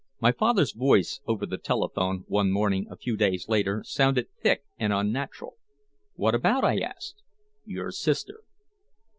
My father's voice over the telephone, one morning a few days later, sounded thick and unnatural. "What about?" I asked. "Your sister."